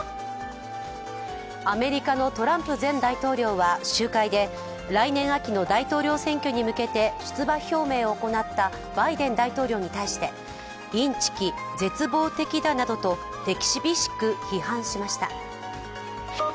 アメリカのトランプ前大統領は集会で来年秋の大統領選挙に向けて出馬表明を行ったバイデン大統領に対してインチキ、絶望的だなどと手厳しく批判しました。